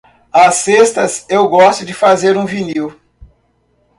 Às sextas eu gosto de fazer um vinil.